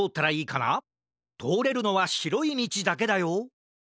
とおれるのはしろいみちだけだよ